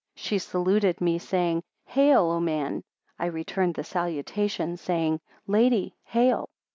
She saluted me, saying, Hail, O Man! I returned the salutation, saying, Lady, Hail!